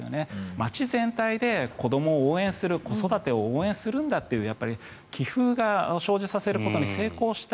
町全体で子どもを応援する子育てを応援するんだという気風が生じさせることに成功した。